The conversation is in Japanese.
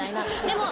でも。